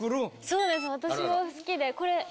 そうです私も好きでこれ。